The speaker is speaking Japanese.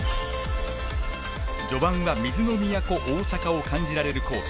序盤は水の都、大阪を感じられるコース。